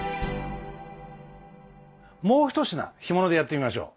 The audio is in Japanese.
もう一品干物でやってみましょう。